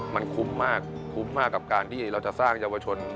มันคุ้มมากคุ้มมากกับการที่เราจะสร้างเยาวชน